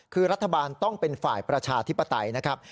คือรัฐบาลต้องเป็นฝ่ายประชาธิปไตยนะครับ